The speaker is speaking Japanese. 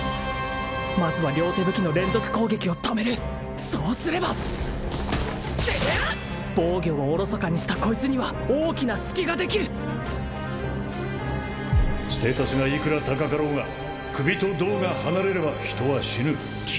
まずは両手武器の連続攻撃を止めるそうすれば防御をおろそかにしたこいつには大きな隙ができるステータスがいくら高かろうが首と胴が離れれば人は死ぬ